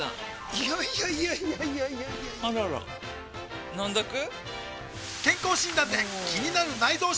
いやいやいやいやあらら飲んどく？